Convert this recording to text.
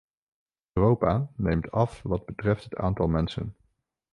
Europa neemt af wat betreft het aantal mensen.